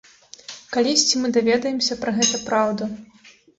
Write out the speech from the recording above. Калісьці мы даведаемся пра гэта праўду.